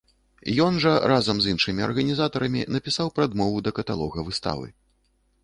Ён жа разам з іншымі арганізатарамі напісаў прадмову да каталога выставы.